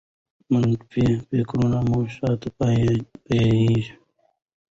منفي فکرونه مو شاته بیايي.